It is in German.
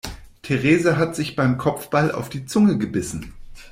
Theresa hat sich beim Kopfball auf die Zunge gebissen.